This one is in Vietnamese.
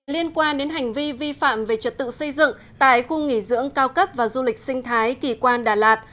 liên quan đến hành vi vi phạm về trật tự xây dựng tại khu nghỉ dưỡng cao cấp và du lịch sinh thái kỳ quan đà lạt